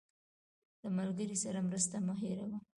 له ملګري سره مرسته مه هېروه.